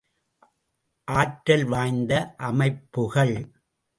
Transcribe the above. ஆற்றல் வாய்ந்த அமைப்புக்கள்?